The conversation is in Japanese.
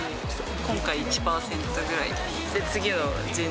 今回１％ぐらい。